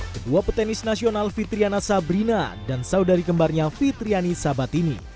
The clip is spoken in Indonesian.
kedua petenis nasional fitriana sabrina dan saudari kembarnya fitriani sabatini